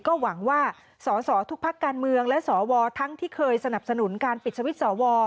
ก็หวังว่าสอสอทุกพักการเมืองและสวทั้งที่เคยสนับสนุนการปิดสวิตช์สว